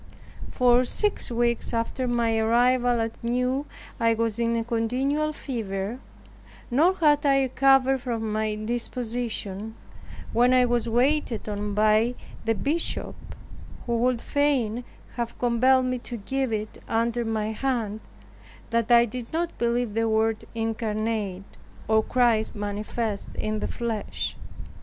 For six weeks after my arrival at Meaux, I was in a continual fever, nor had I recovered from my indisposition, when I was waited on by the bishop, who would fain have compelled me to give it under my hand, that I did not believe the Word incarnate, (or Christ manifest in the flesh).